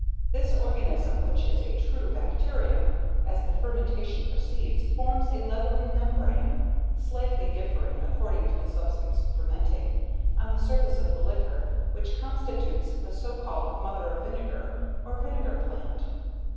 This organism, which is a true bacterium, as the fermentation proceeds, forms a leathery membrane (slightly differing according to the substance fermenting) on the surface of the liquor, which constitutes the so called mother of vinegar, or vinegar plant.